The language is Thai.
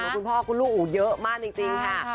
คุณพ่อคุณลูกเยอะมากจริงค่ะ